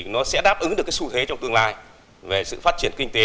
nó sẽ đáp ứng được cái xu thế trong tương lai về sự phát triển kinh tế